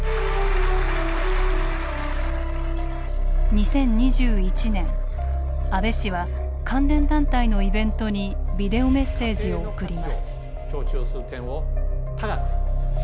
２０２１年安倍氏は関連団体のイベントにビデオメッセージを送ります。